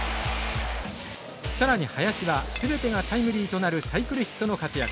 更に林は全てがタイムリーとなるサイクルヒットの活躍。